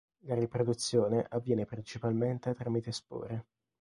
La riproduzione avviene principalmente tramite spore.